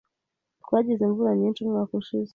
Twagize imvura nyinshi umwaka ushize.